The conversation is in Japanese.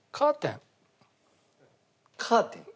カーテン？